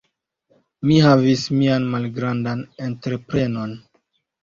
Mi havis mian malgrandan entreprenon.